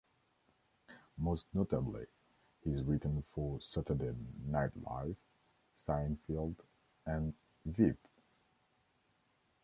Most notably he's written for "Saturday Night Live", "Seinfeld", and "Veep".